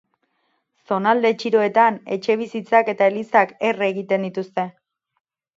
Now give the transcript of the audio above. Zonalde txiroetan etxebizitzak eta elizak erre egiten dituzte.